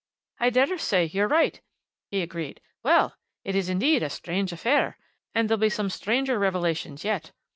"I daresay you're right," he agreed. "Well! it is indeed a strange affair, and there'll be some stranger revelations yet.